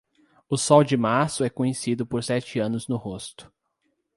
O sol de março é conhecido por sete anos no rosto.